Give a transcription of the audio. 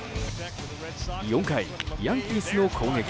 ４回、ヤンキースの攻撃。